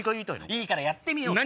いいからやってみよう。